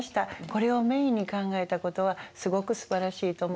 これをメインに考えたことはすごくすばらしいと思いました。